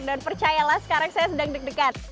dan percayalah sekarang saya sedang deg degan